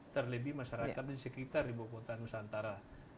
terlebih masyarakat di sekitar ibu kota nusantara